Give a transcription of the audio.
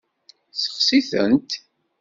Seɣtit-tent.